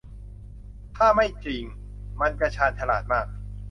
ถ้าไม่จริง มันจะชาญฉลาดมาก